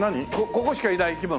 ここしかいない生き物？